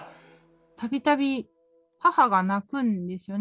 たびたび母が泣くんですよね。